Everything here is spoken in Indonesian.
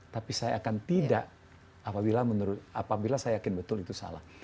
tapi saya akan tidak apabila saya yakin betul itu salah